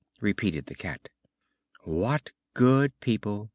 repeated the Cat. "What good people!"